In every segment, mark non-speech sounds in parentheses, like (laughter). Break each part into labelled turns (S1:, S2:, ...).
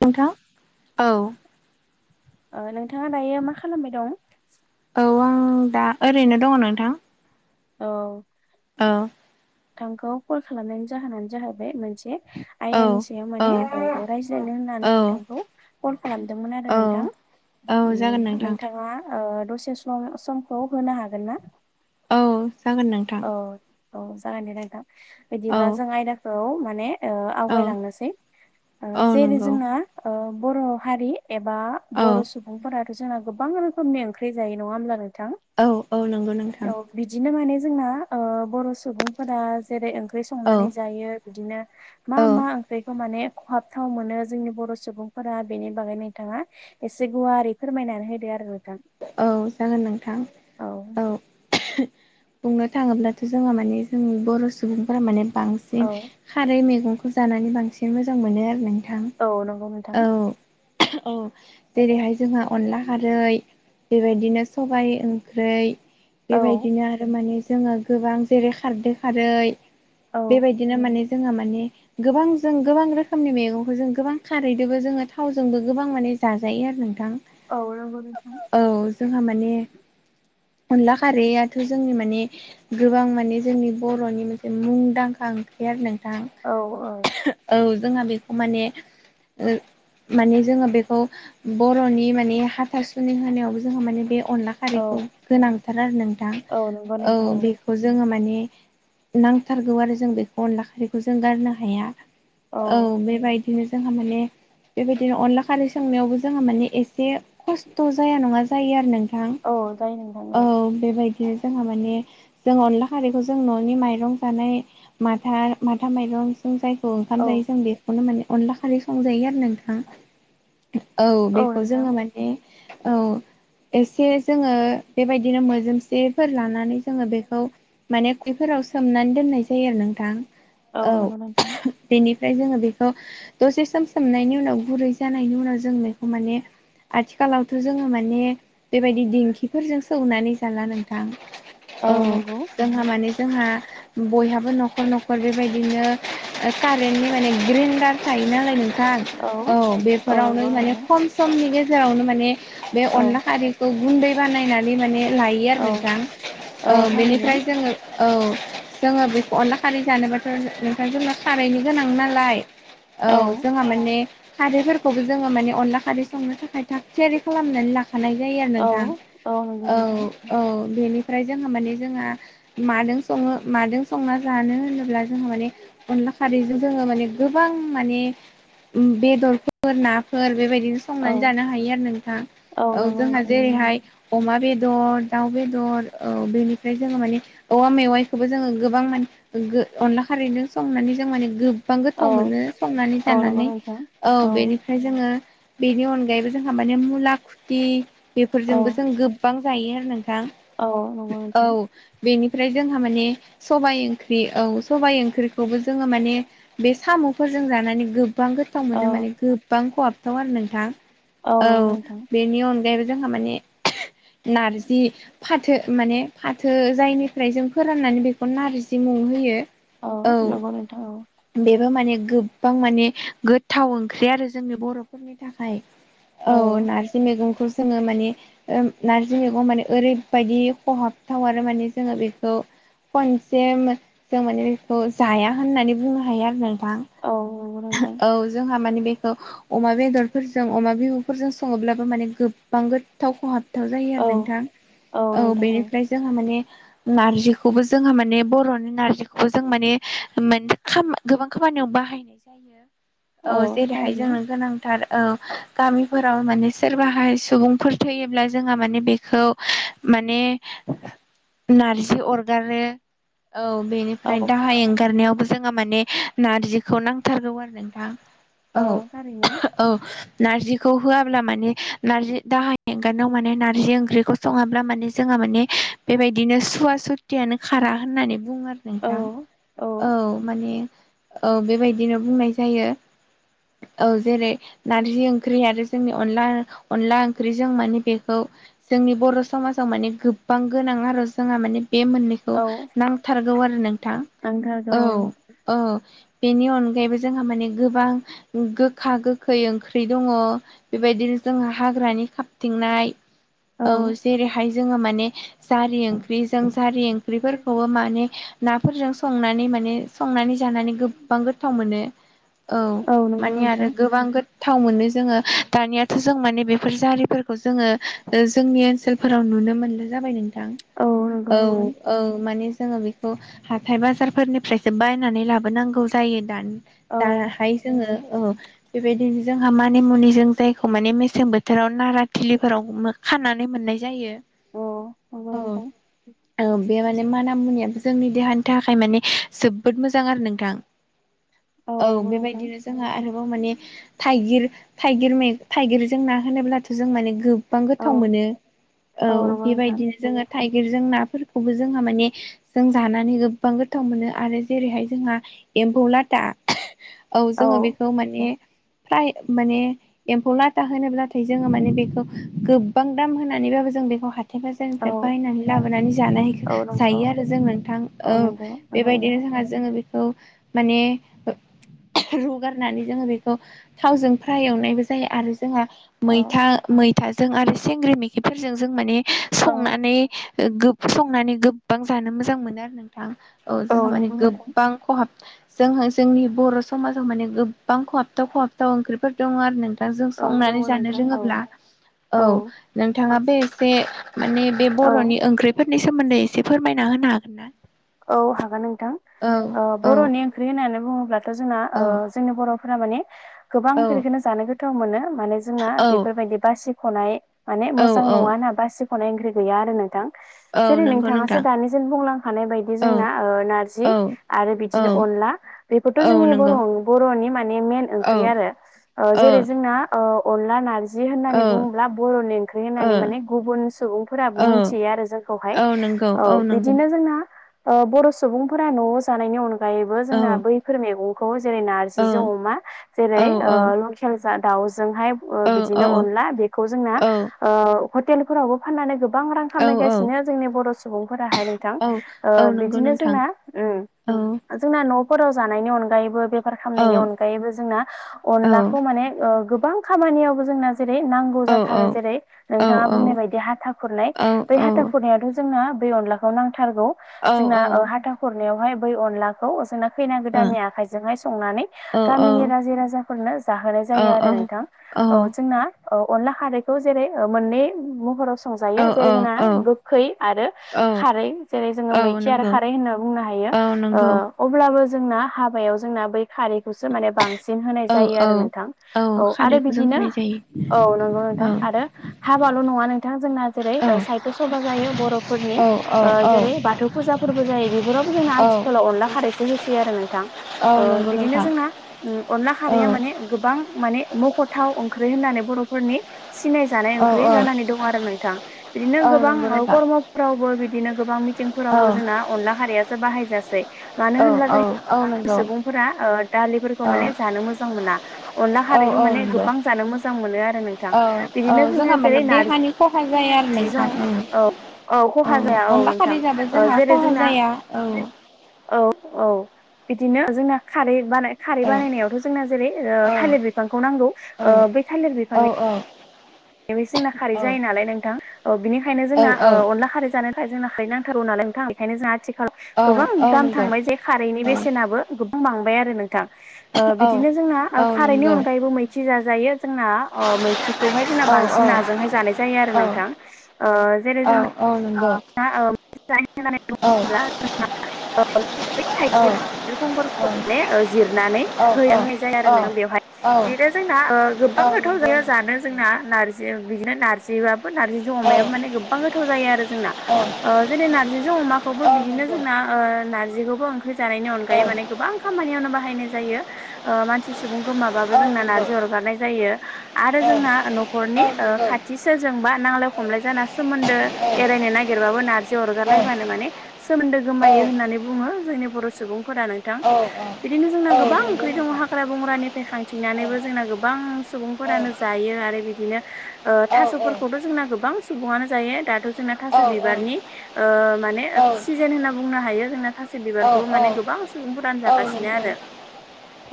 S1: नोंथां औ।
S2: उह नोंथाङा दायो मा खालामबाय दं?
S1: औ आं दा ओरैनो दङ नोंथां।
S2: औ।
S1: औ।
S2: नोंथांखौ कल खालामनायनि जाहोनानो जाहैबाय मोनसे
S1: औ
S2: आयदानि सायाव
S1: औ
S2: माने उह रायज्लायनो होननानै
S1: औ
S2: नोंथांखौ कल खालामदोंमोन आरो
S1: औ
S2: नोंथां।
S1: औ जागोन नोंथां
S2: नोंथाङा उह दसे सम समखौ होनो हागोन ना?
S1: औ जागोन नोंथां।
S2: औ औ जागोन दे नोंथां।
S1: औ
S2: बिदिब्ला जों आयदाखौ माने उह
S1: औ
S2: आवगायलांनोसै उह
S1: औ
S2: जेरै
S1: नंगौ
S2: जोंना उह बर' हारि एबा
S1: औ
S2: बर' सुबुंफोराथ' जोंना गोबां रोखोमनि ओंख्रि जायो नङा होमब्लानो
S1: औ औ नंगौ नोंथां
S2: औ बिदिनो माने जोंना उह बर' सुबुंफोरा जेरै ओंख्रि
S1: औ
S2: संनानै जायो बिदिनो मा
S1: औ
S2: मा ओंख्रिखौ माने खहाबथाव मोनो जोंनि बर' सुबुंफोरा बेनि बागै नोंथाङा एसे गुवारै फोरमायनानै होदो आरो। नोंथां
S1: औ जागोन नोंथां औ। बुंनो थाङोब्लाथ' जोंहा माने जों बर' सुबुंफोरा माने बांसिन खारै मैगंखौ जानानै बांसिन मोजां मोनो आरो नोंथां।
S2: औ नंगौ नोंथां।
S1: औ औ जेरैहाय जोंहा अनला खारै बेबायदिनो सबाय ओंख्रौ बेबायदिनो आरो माने जोङो गोबां जेरै खारदै खारै
S2: औ
S1: बेबायदिनो माने जोहा माने गोबां जों गोबां रोखोमनि मैगंखौ जों गोबां खारैदोबो जोङो थावजोंबो गोबां माने जाजायो आरो नोंथां।
S2: औ नंगौ नोंथां।
S1: औ जोंहा माने अनला खारैयाथ' जोंनि माने गोबां माने जोंनि बर'नि मोनसे मुंदांखा ओंख्रि आरो नोंथां।
S2: औ नंगौ नोंथां औ औ
S1: औ जोंहा बेखौ माने उह माने जोङो बेखौ बर'नि माने हाथासुन नि होनायावबो जोंहा माने बे अन अनला खारैखौ गोनांथार आरो नोंथां।
S2: औ नंगौ नोंथां
S1: औ बेखौ जोङो माने नांथारगौ आरो जों बेखौ अनला खारैखौ जों गारनो हाया। औ बेबायदि। बिदिनो जोंहा माने बेबायदिनो अनला खारै संनायावबो जोंहा माने एसे खस्थ' थ' जाया नङा जायो आर
S2: औ जायो नोंथां औ।
S1: नो जोंहा माने जों अनला खारैखौ जों न'नि माइरं जानाय माथा माथा माइरं जों जायखौ ओंखाम जायो
S2: औ
S1: जों बेखौनो माने अनला खारै संजायो आरो नोंथां। औ बेखौ जोङो माने औ। एसे जोङो बेबायदिनो मोजोमसेफोर लानानै जोङो बेखौ माने खुैरैफोराव आव सोमनानै दोननाय जायो आरो नोंथां।
S2: औ नंगौ नोंथां।
S1: ओमफ्राय जोङो बेखौ दसे सम सोमनायनि उनाव गुरै जानायनि उनाव जों बेखौ माने आथिख खालावथ' जोंहा माने बेबायदि दिंखिफोरजों सौनानै जाला नोंथां। औ जोंहा माने जोंहा बयहाबो न'खर न'खर बेबायदिनो ओ कारेन्टनि माने ग्रेन्डार था यो नालाय नोंथां औ
S2: औ नंगौ
S1: बेफोरावनो दायो
S2: नोंथां
S1: खम समनि गेजेरावनो माने बे
S2: औ
S1: अनला खारैखौ गुन्दै बानायनानै माने लायो आरो
S2: औ
S1: नोंथां।
S2: औ
S1: ओ
S2: थारैनो
S1: बेनिफ्राय जोंङो औ जोंङो बेखौ अनला खारै जानोबाथ नोंथां जोंना खारैनि गोनां नालाय। औ जोंहा माने खारैफोरखौबो जोंङो माने अनला खारै संनो थाखाय। थियारि खालामनानै लाखानाय जायो आरो
S2: औ
S1: नोंथां
S2: नंगौ
S1: औ
S2: नोंथां
S1: औ बेनि। ओमफ्राय जोंइंआ माने जोंहा माजों सङो माजों संना जानो होनोब्ला जोंहा माने अन अनला कारैजं जोङो माने गोबां माने बेदरफोर नाफोर बेबायदि। बिदि
S2: औ
S1: संनानै जानो हायो आरो नोंथां औ
S2: नंगौ
S1: जोंहा
S2: नोंथां
S1: जेरैहाय। अमा बेदर दाउ बेदर औ बेनिफ्राय जोङो माने औवा मेवाइखौबो जोङो गोबां माने ओंहो अनला खारैजं संनानै जों मानेगो ओं
S2: औ
S1: गोथाव मोनो संनानै
S2: औ नंगौ
S1: जानानै
S2: नोंथां
S1: औ बेनिफ्राय जोङो बेनि अनगायैबो। जोंहा माने मुला खुथि
S2: औ
S1: बेफोरजोंबो जों गोबां जायो आरो नोथां।
S2: औ नंगौ
S1: दा
S2: नोंथां
S1: औ बेनि। ओमफ्राय जोंहा माने सबाइ ओंख्रि औ सबबाय ओंख्रिखौबो जों माने। जों जानानै गोबां गोथाव
S2: औ
S1: मोनो माने गोबां खहाबथाव आरो नोंथां। औ
S2: नंगौ नोंथां
S1: बेनि अनगायैबो जोंहा माने। नारजि फाथो माने फाथो जायनिफ्राय जों फोराननानै बेखौ नारजि मोन। संनोहोयो
S2: औ नंगौ नोंथां
S1: औ बेबो माने। गोबां माने गोथाव ओंख्रि आरो जोंनि बर'फोरनि थाखाय। औ नारजि मैगंखौ। जोङो माने नारजि मैगं माने ओरैबायदि खहाबथाव आरो माने जोङो बेखौ। खनसे जों माने बेखौ जाया होननानै बुंनो हायो आरो नों। बां
S2: औ नंगौ नोंथां
S1: औ जोंहा मानि। बेखौ अमा बेदरफोरजों अमा बिबुफोरजों सङोब्लाबो माने गोबां गोथाव खहाब। थाव जायो आरो
S2: औ
S1: नोंथां औ बेनिफ्राय जोंहा माने। नारजिखौबो जोंहा माने बर'नि नारजिखौबो जों माने गोबां खामानि होनो बाहायनाय जायो औ जेरैह जों जोनोमथार औ गामि फोराव माने सोरबाहाय सुबुंफोर थैयोब्ला जोंहा माने बेखौ माने नारजि अरगारो। औ
S2: औ
S1: बेनिफ्राय दाहा एंगारनायावबो जोङो माने नारजिखौ नांथारगौ आरो नोंथां।
S2: औ थारैनो
S1: औ औ नारजि खौ होआब्ला माने नारजि दाहाय एंगाराव माने नाजि ओंख्रिखौ सङाब्ला माने जोंहा माने बेबायदिनो सुवा सुथियानो खारा होननानै। बुं आरो
S2: औ
S1: नोंथां औ माने। औ बेबायदिनो बुंनाय जायो ओ जेरै नारजि ओं। ख्रि आरो जोंनि अनला अनला ओंख्रिजों माने बेखौ जोंनि बर' समाजाव माने गो बां गोनां आरो जोंहा माने बे मोननैखौ
S2: औ
S1: नांथारगौ आरो नोंथां
S2: नांथारगौ
S1: औ ओ। बेनि अनगायैबो जोंहा माने गोबां गोखा गोखै ओंख्रि दंङ बेबायदिनो जोंहा हाग्रानि खाबथिंनाय। औ जेरैहाय जोङो माने। जारि ओंख्रिजों जारि
S2: औ
S1: ओंख्रिफोरखौबो माने। नाफोरजों संनानै माने संनानै जानानै गोबां गोथाव मोनो। औ
S2: नंगौ
S1: माने आरो
S2: नोंथां
S1: गोबां गोथ थाव मोनो जोङो दानियाथ' जों माने बेफोर जारिफोरखौ जोङो जोंनि ओनसोलफोराव नुनो नो मोनो जाबाय नोंथां
S2: औ नंगौ
S1: औ
S2: नोंथां
S1: औ माने जोङो बेखौ हाथाय बाजारफोरनिफ्रायसो बायनानै ला बोनांगौ जायो दान
S2: औ
S1: दाहाय जोङो औ बेबादिनो जोंहा मानि मुनि जों जायखौ माने मेसें बोथोराव नारा थिलिफोराव खानानै मोननाय जायो‌
S2: औ नंगौ नोंथां
S1: अ ओम बे माने माना मुनियाबो जोंनि देहानि थाखाय माने जोबोद मोजां आरो नोंथां। औ
S2: नंगौ नोंथां
S1: बेबायदिनो जोंहा आरोबाव माने थाइगिर थाइगिर मे थाइगिरजों ना होनोब्लाथ' जों माने गो बां
S2: औ
S1: गोथाव मोनो औ
S2: नंगौ नोंथां
S1: बेबायदिनो जोङो थाइ गिरजों नाफोरखौबो जोंहा माने जों जानानै गोबां गोथाव मोनो आरो जेरैहाय जोंहा एम्फौ लाथा औ जोङो बेखौ माने फ्राय माने एम्फौ लाथा होनोब्लाथाय जोङो माने बेखौ गोबां दाम होनानैबाबो जों बेखौ हा थाइ
S2: औ
S1: बाजारनिफ्राय बायनानै लाबोनानै जानाय
S2: औ नंगौ
S1: जायो आरो जों नोंथां औ
S2: नंगौ नंगौ
S1: बेबायदिनो
S2: नोंथां
S1: जोंहा जोङो बेखौ माने रुगारनानै जोङो बेखौ थावजों फ्राय एवनायबो जायो आरो जोंहा
S2: औ
S1: मैथा मै थाजों आरो सिंग्रि मैखिफोरजों जों माने
S2: औ
S1: संनानै गो संनानै गोबां जानो मोजां मोनो आरो नोंथां औ जोंहा माने
S2: नंगौ नोंथां
S1: गोबां खहाब- जोंहा जोंनि बर' समाजाव माने गोबां खहाबथाव खहाबथाव ओंख्रिफोर दङ' आरो नों थां दा जों
S2: औ दङ
S1: संनानै जानो
S2: नोंथां औ
S1: रोङोब्ला औ नोंथाङा बे एसे माने बे
S2: औ
S1: बर'नि ओंख्रिफोरनि सोमोन्दै एसे फोरमायना होनो हागोन ना?
S2: औ हागोन नोंथां
S1: औ
S2: ओ
S1: औ
S2: बर'नि ओंख्रि होननानै बुङोब्लाथ' जोंना ओ
S1: औ
S2: जोंनि बर' फोरा माने गोबां
S1: औ
S2: ख्रिखोनो जानो गोथाव मोनो माने जोंना
S1: औ
S2: बेफोरबायदि बासिख'नाय माने
S1: औ
S2: मोजां
S1: औ
S2: नङा ना बा सिख'नाय ओंख्रि गैया आरो नोंथां।
S1: औ
S2: जेरै
S1: नंगौ
S2: नोंथाङासो
S1: नोंथां
S2: दानिजों बुंलांखानाय बाय दि
S1: औ
S2: जोंना ओ नारजि
S1: औ
S2: आरो
S1: औ
S2: बिदिनो अनला बेफोरथ'
S1: औ
S2: जोंनि बर
S1: नंगौ
S2: बरनि माने मेन
S1: औ
S2: ओंख्रि आरो ओ जेरै जोंना ओ अनला नारजि जि
S1: ओ
S2: होननानै बुङोब्ला बर'नि ओंख्रि होननानै माने गुबुन सुबुंफोराबो
S1: औ
S2: मिथियो आरो जोंखौहाय।
S1: औ नंगौ
S2: औ
S1: नंगौ
S2: बिदिनो जोंना ओ बर' सुबुंफोरा न'आव जानायनि अनगायैबो
S1: औ
S2: जोंना बैफोर मैगंखौ जेरै नारजिजों
S1: औ
S2: अमा जेरै
S1: औ
S2: ओ लखेल जा दाउ जोंहाय
S1: औ
S2: बिदिनो अनला, बेखौ जोंना ओ हटेलफ्रावबो फाननानै गो बां रां
S1: औ
S2: खामायगासिनो जोंनि बर' सुबुंफोराहाय नोंथां।
S1: औ
S2: ओ
S1: औ नंगौ
S2: बिदिनो
S1: नोंथां
S2: जोंना ओम
S1: औ
S2: जोंना न'फोराव जानायनि अनायैबो बेफार
S1: औ
S2: खालामनायनि अनायैबो जोंना
S1: औ
S2: अनलाखौ माने ओ गो बां खामानियावबो जोंना जेरै नांगौ
S1: औ
S2: जाथारो जेरै
S1: औ
S2: नोंथाङा बुंनाय बायदि हाथा खुरनाय
S1: औ
S2: बै
S1: औ
S2: हाथा
S1: ओ
S2: खुरनायाथ' जोंना बै अलाखौ नांथारौ
S1: औ
S2: जोंना ओ हाथा खुरनायावहाय बै अलाखौ जोंना खैना गोदाननि आखाइजोंहाय संनानै गामिनि रायजो राजाफोरनो जाहोनाय जायो आरो नोंथां। औ जोंना औ अनला खारैखौ जेरै मोननै महराव संजायो जेरै जोंना गोखै आरो खारै जेरै जोङो
S1: औ औ
S2: मैखि आरो
S1: नंगौ
S2: खारै होनना बुंनो हायो
S1: औ
S2: ओ
S1: नंगौ
S2: अब्लाबो जोंना हाबायाव जोंना बै खारैखौसो माने बांसिन होनाय
S1: औ
S2: जायो
S1: औ
S2: आरो नोंथां औ आरो
S1: खारैखौ जों
S2: बिदिनो
S1: होनाय जायो
S2: औ नोंगौ नों नोंथां
S1: औ
S2: आरो हाबाल' नङा नोंथां जोंना जेरै
S1: औ
S2: ओ साहित्य सभा जायो
S1: औ
S2: बर'फोरनि
S1: औ औ
S2: जेरै बाथौ फुजाफोरबो जायो बेफोरावबो जोंना
S1: औ
S2: आथिखालाव अनला खारैसो होसै आरो नोंथां।
S1: औ
S2: ओ
S1: नंगौ
S2: बिदिनो
S1: नोंथां
S2: जोंना उम अनला
S1: औ
S2: खारैया माने गोबां माने मख'थाव ओंख्रि होननानै बर'फोरनि सिनाय जानाय
S1: औ
S2: ओंख्रि
S1: औ
S2: जानानै दं आरो नोंथां। बिदिनो
S1: औ
S2: गोबां
S1: नंगौ नोंथां
S2: कर्म'फोरावबो बिदिनो गोबां
S1: औ
S2: मिथिंफोरावबो जोंना अनला खारियासो बाहायजासै मानो
S1: औ
S2: होनब्ला
S1: औ
S2: जों
S1: औ नंगौ
S2: सुबुंफोरा ओ दालिफोरखौ
S1: औ
S2: माने जानो मोजां मोना अनला
S1: औ
S2: खारैखौ
S1: औ
S2: माने
S1: नंगौ
S2: गोबां जानो मोजां मोनो आरो नोंथां।
S1: औ औ
S2: बिदिनो जोङो
S1: जोंहा माने
S2: जेरै
S1: देहानि खहा जाया आरो
S2: नारजि जों
S1: नोंथां उम
S2: औ औ खहा जाया औ
S1: अनला
S2: नोंथां
S1: खारै जाबा
S2: ओ
S1: जोंहा
S2: जेरै
S1: खहा
S2: जोंना
S1: जाया औ
S2: औ औ बिदिनो जोंना खारै बानाय खारै
S1: औ
S2: बानायनायावथ' जोंना जेरै ओ
S1: औ
S2: थालिर बिफांखौ नांगौ
S1: औ
S2: ओ बे थालिर
S1: औ
S2: बिफांनि बे जोंना खारै जायो नालाय नोंथां ओ बिनिखायनो जोंना ओ अनला खारै जान नाथाइ जोंना खारै नांथारौ नालाय नोंथां बेखायनो जोंहा आथि ओ
S1: औ
S2: गोबां
S1: औ
S2: दाम
S1: नंगौ
S2: थांबाय जे खारैनि
S1: औ
S2: बेसेनाबो गोबां बांबाय आरो नों थां ओ
S1: औ
S2: बिदिनो जोंना ओ
S1: औ
S2: खारैनि
S1: नंगौ
S2: अनगायैबो मैखि जाजायो जोंना अ मैखिखोहाय ना
S1: औ औ
S2: बांसिन नाजोंहाय जानाय जायो आरो
S1: औ
S2: नोंथां ओ जेरै
S1: औ
S2: जोंना
S1: औ नंगौ
S2: (unintelligible)
S1: औ औ
S2: बिरखंफोरखौ
S1: औ
S2: माने जिरनानै
S1: औ
S2: हो होन जायो आरो ननो बेवहाय
S1: औ
S2: बिनो जोंना गोबां
S1: औ
S2: (unintelligible) गोथाव
S1: नंगौ
S2: जायो
S1: नोंथां
S2: जानो जोंना। नारजि बिदिनो नारजिबाबो नारजिजों अमायाबो माने गोबां गोथाव जायो आरो जोंना।
S1: औ
S2: ओ जेरै नारजिजों अमाखौबो
S1: औ
S2: बिदिनो
S1: नंगौ
S2: जोंना ओ नारजिखौबो ओंख होजानायनि
S1: औ
S2: अनगायै माने गोबां खामानियावनो बाहायनाय जायो ओ मानसि सु सुबुं गोमाबाबो
S1: औ
S2: जोंना नारजि
S1: नंगौ
S2: अरगारनाय जायो आरो
S1: औ
S2: जोंना नख'रनि
S1: औ
S2: ओ
S1: नंगौ औ
S2: खाथि सोरजों। बा नांलाय-खमलाय जाना सोमोन्दो एरायनो‌ नाग गेरबाबो नारजि अरगारलायबानो माने सोमोन्दो गोमायो होननानै बुङो जोंनि बर' सुबुं। फोदा नोंथां
S1: औ नंगौ औ
S2: बिदिनो जोंना
S1: औ
S2: गोबां
S1: नंगौ औ नंगौ
S2: ओंख्रि दङ हाग्रा बंग्रानिफाय खांथिंनानैबो जोंना गोबां। सुबुंफोरानो जायो आरो बिदिनो। ओ
S1: औ
S2: थास'फोरखौथ' जोंना गोबां सुबुनो जायो दाथ' जोंना था
S1: औ नंगौ
S2: बिबारनि
S1: नोंथां
S2: ओ माने सिजेन होनना बुंनो हायो जोंना थास' बिबारखौबो माने गोबां सुबुं। दान जागासिनो आरो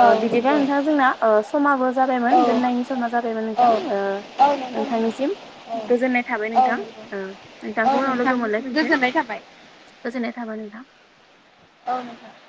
S2: ओ बिदिबा नोंथा जोंना ओ। समाबो जाबायमोन दोननायनि समा जाबायमोन नोंथां ओ। नोंथांनिसिम
S1: औ
S2: गोजोननाय थाबाय
S1: औ
S2: नोंथां
S1: नंगौ
S2: ओ। नोंखौ
S1: औ
S2: उनाव लोगो
S1: नोंथांनिसिम
S2: मोनलायफिनसै
S1: गोजोननाय थाबाय
S2: गोजोननाय थाबाय नोंथां।
S1: औ नोंथां।